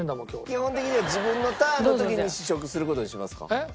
基本的には自分のターンの時に試食する事にしますか？えっ？